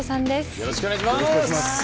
よろしくお願いします。